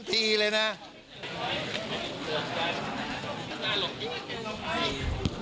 แล้วถ้าคุณชุวิตไม่ออกมาเป็นเรื่องกลุ่มมาเฟียร์จีน